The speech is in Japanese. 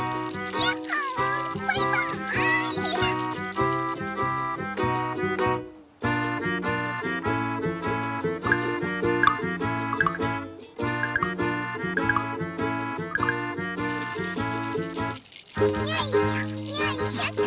よいしょと。